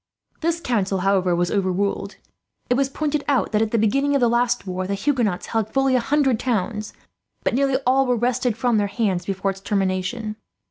"This council, however, was overruled. It was pointed out that, at the beginning of the last war, the Huguenots held fully a hundred towns, but nearly all were wrested from their hands before its termination.